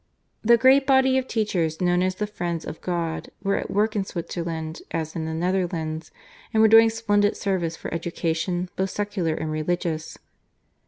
The great body of teachers known as the Friends of God were at work in Switzerland as in the Netherlands, and were doing splendid service for education, both secular and religious.